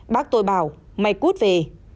bác tôi bảo mày cút về